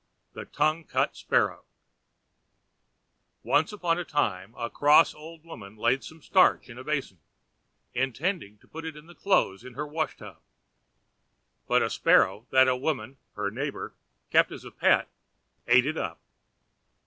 The Tongue Cut Sparrow Once upon a time a cross old woman laid some starch in a basin, intending to put it in the clothes in her washtub; but a Sparrow that a woman, her neighbor, kept as a pet, ate it up.